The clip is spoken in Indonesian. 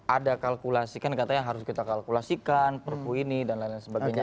ada kalkulasikan katanya harus kita kalkulasikan perku ini dan lain sebagainya